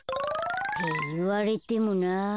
っていわれてもな。